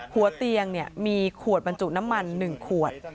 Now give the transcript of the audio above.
หัวเตียงมีขวดบรรจุน้ำมัน๑ขวด